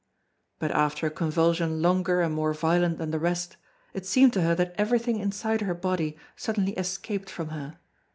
But, after a convulsion longer and more violent than the rest, it seemed to her that everything inside her body suddenly escaped from her.